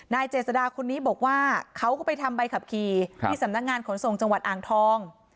เจษดาคนนี้บอกว่าเขาก็ไปทำใบขับขี่ที่สำนักงานขนส่งจังหวัดอ่างทอง